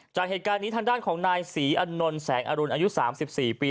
จากเหตุการณ์นี้ทางด้านของนายศรีอนนท์แสงอรุณอายุ๓๔ปี